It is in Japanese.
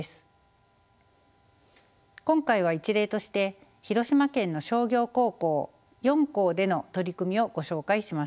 今回は一例として広島県の商業高校４校での取り組みをご紹介します。